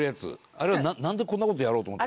あれはなんでこんな事やろうと思った？